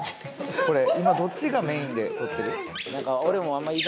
これ今どっちがメインで撮ってる？